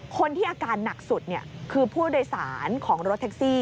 คนที่อาการหนักสุดคือผู้โดยสารของรถแท็กซี่